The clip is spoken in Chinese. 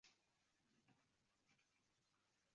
琉球峨螺是一种海螺的物种。